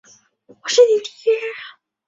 江苏铜山。